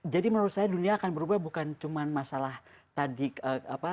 jadi menurut saya dunia akan berubah bukan cuma masalah tadi ke fakta